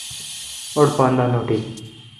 اوڈ پان دا نوٹل۔